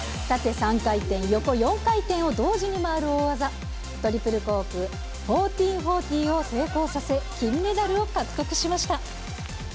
縦３回転、横４回転を同時に回る大技、トリプルコーク１４４０を成功させ、金メダルを獲得しました。